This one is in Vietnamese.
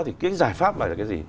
thì cái giải pháp là cái gì